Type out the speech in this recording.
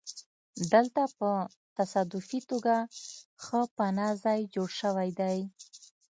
دلته په تصادفي توګه ښه پناه ځای جوړ شوی دی